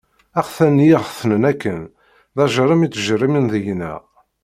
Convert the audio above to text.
Axtan-nni i ɣ-xetnen akken, d ajerrem i ttjerrimen deg-neɣ.